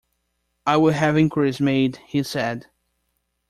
"I will have inquiries made," he said.